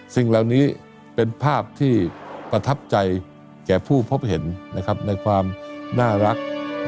สิ่งเหล่านี้เป็นภาพที่ประทับใจแก่ผู้พบเห็นนะครับในความน่ารัก